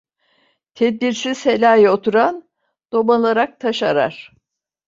Tedbirsiz helaya oturan, domalarak taş arar.